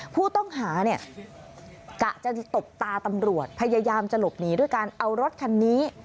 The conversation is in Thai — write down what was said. ผู้ต้องหาเนี่ยกะจะตบตาตำรวจพยายามจะหลบหนีด้วยการเอารถคันนี้